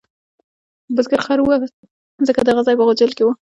بزګر خر وواهه ځکه د هغه ځای په غوجل کې و.